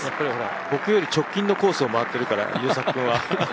僕より直近のコースを回ってるから、優作君は。